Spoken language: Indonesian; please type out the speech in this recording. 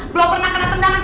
belum pernah kena tendangan